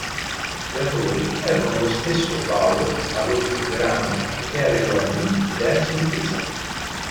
Gli autori erano lo stesso Baudo, Adolfo Perani, Michele Guardì ed Enzo Di Pisa.